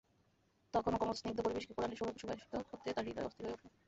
তখন এ কোমল স্নিগ্ধ পরিবেশকে কুরআনের সৌরভে সুবাসিত করতে তার হৃদয় অস্থির হয়ে উঠল।